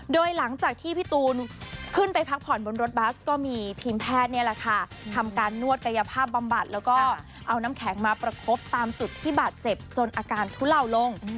โดยหลังจากที่พี่ตูนขึ้นไปพักผ่อนบนรถบัสก็มีทีมแพทย์นี่แหละค่ะทำการนวดกายภาพบำบัดแล้วก็เอาน้ำแข็งมาประคบตามจุดที่บาดเจ็บจนอาการทุเลาลง